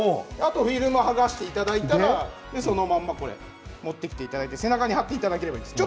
フィルムを剥がしていただいたらそのまま持ってきていただいて背中に貼っていただきます。